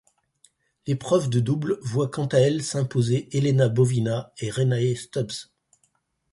L'épreuve de double voit quant à elle s'imposer Elena Bovina et Rennae Stubbs.